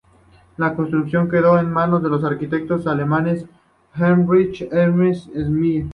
La construcción quedó en manos del arquitecto alemán Heinrich Ernst Schirmer.